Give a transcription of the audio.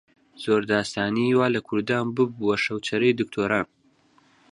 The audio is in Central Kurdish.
زۆر داستانی وا لە کوردان ببووە شەوچەرەی دکتۆران